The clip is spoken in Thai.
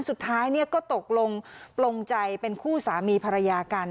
สุดท้ายก็ตกลงปลงใจเป็นคู่สามีภรรยากัน